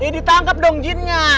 eh ditangkap dong jinnya